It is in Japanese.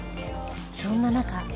そんな中